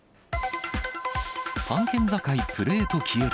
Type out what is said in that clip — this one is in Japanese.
３県境プレート消える。